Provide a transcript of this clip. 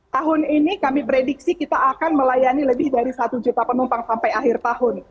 tahun ini kami prediksi kita akan melayani lebih dari satu juta penumpang sampai akhir tahun